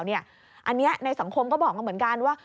อันนี้ในสังคมก็บอกมาเหมือนกันว่า